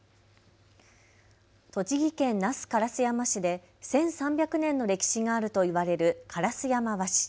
栃木県那須烏山市で１３００年の歴史があるといわれる烏山和紙。